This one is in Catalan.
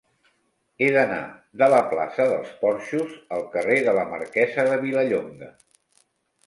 He d'anar de la plaça dels Porxos al carrer de la Marquesa de Vilallonga.